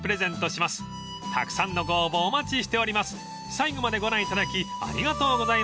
［最後までご覧いただきありがとうございました］